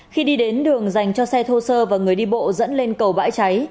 khi đi đến đường dành cho xe thô sơ và người đi bộ dẫn lên cầu bãi cháy